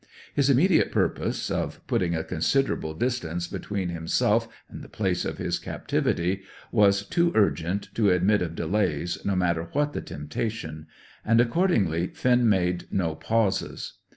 His immediate purpose, of putting a considerable distance between himself and the place of his captivity, was too urgent to admit of delays, no matter what the temptation; and, accordingly, Finn made no pauses.